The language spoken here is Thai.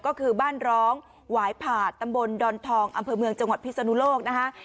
ก็คือบ้านร้องหวายผาดตำบลดอนทองอำเภอเมืองจังหวัดพิศนุโลกนะคะ